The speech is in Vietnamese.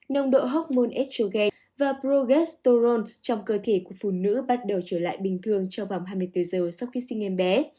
nồng độ hốc môn estrogen và progesterone trong cơ thể của phụ nữ bắt đầu trở lại bình thường trong vòng hai mươi bốn giờ sau khi sinh em bé